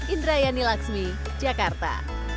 indra yani lakshmi jakarta